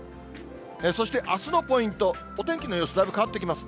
そしてあすのポイント、お天気の様子、だいぶ変わってきます。